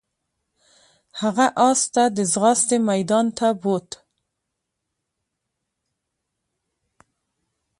هغه اس ته د ځغاستې میدان ته بوت.